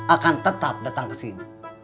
akan tetap datang kesini